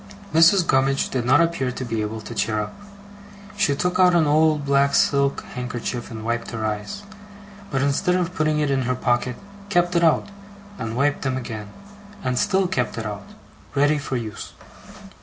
Mrs. Gummidge did not appear to be able to cheer up. She took out an old black silk handkerchief and wiped her eyes; but instead of putting it in her pocket, kept it out, and wiped them again, and still kept it out, ready for use.